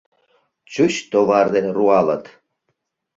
Чуч товар дене руалыт.